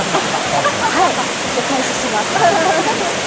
はい、お返しします。